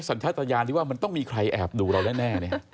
สัญชาติยานที่ว่ามันต้องมีใครแอบดูเราแน่